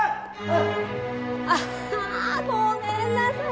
ああごめんなさい！